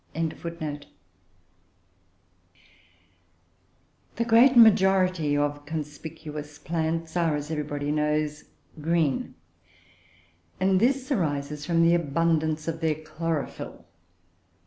] The great majority of conspicuous plants are, as everybody knows, green; and this arises from the abundance of their chlorophyll.